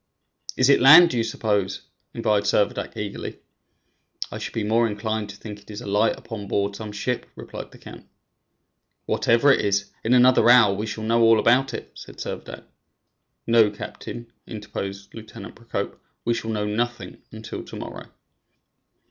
"Is it land, do you suppose?" inquired Servadac, eagerly. "I should be more inclined to think it is a light on board some ship," replied the count. "Whatever it is, in another hour we shall know all about it," said Servadac. "No, captain," interposed Lieutenant Procope; "we shall know nothing until to morrow."